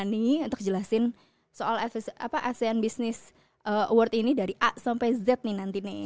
nih untuk jelasin soal asean business award ini dari a sampai z nih nanti nih